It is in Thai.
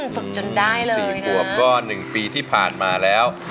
ฝึกจนได้เลย๔ขวบก็๑ปีที่ผ่านมาแล้ว